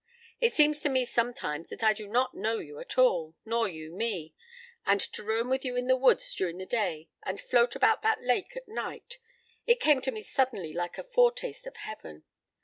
It seems to me sometimes that I do not know you at all nor you me. And to roam with you in the woods during the day and float about that lake at night it came to me suddenly like a foretaste of heaven.